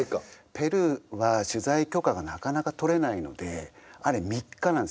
ペルーは取材許可がなかなか取れないのであれ３日なんですよね。